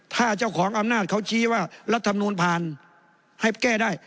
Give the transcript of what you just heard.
ถ้าเจ้าของอำนาจเขาชี้ว่ารัฐมนูลผ่านให้แก้ได้